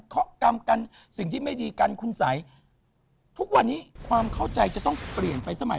เขากรรมกันสิ่งที่ไม่ดีกันคุณสัยทุกวันนี้ความเข้าใจจะต้องเปลี่ยนไปสมัย